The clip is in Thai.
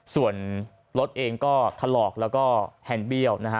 ส่วนรถเองก็ถลอกแล้วก็แฮนเบี้ยวนะฮะ